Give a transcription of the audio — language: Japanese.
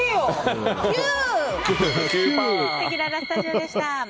せきららスタジオでした。